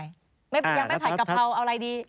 ยังไม่ผัดกะเพราเอาอะไรดี